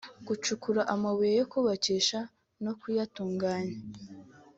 gucukura amabuye yo kubakisha no kuyatunganya